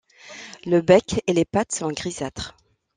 Le bec et les pattes sont grisâtres.